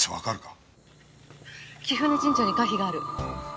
貴船神社に歌碑がある。